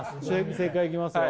正解いきますよ